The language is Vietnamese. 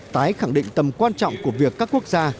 tái khẳng định tầm quan trọng của việc các quốc gia